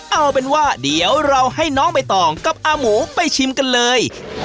เอาเป็นว่าเดี๋ยวเราให้น้องใบตองกับอาหมูไปชิมกันเลย